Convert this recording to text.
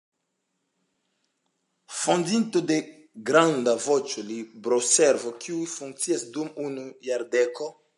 Fondinto de granda "Voĉo-Libroservo" kiu funkciis dum unu jardeko.